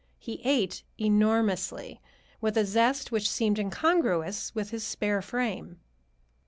He ate enormously, with a zest which seemed incongruous with his spare frame.